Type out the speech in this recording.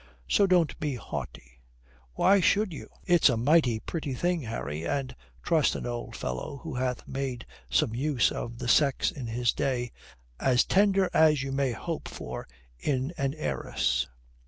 So don't be haughty. Why should you? It's a mighty pretty thing, Harry, and (trust an old fellow who hath made some use of the sex in his day) as tender as you may hope for in an heiress.